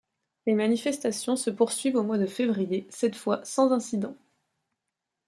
Les manifestations se poursuivent au mois de février, cette fois, sans incident.